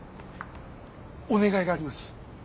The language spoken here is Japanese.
お願いがあります。